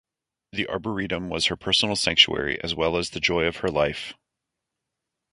The Arboretum was her personal sanctuary as well as the joy of her life.